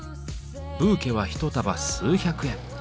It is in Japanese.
ブーケは一束数百円。